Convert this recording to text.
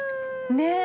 ねえ！